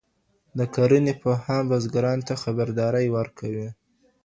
د کرنې پوهان بزګرانو ته خبرداری ورکوي.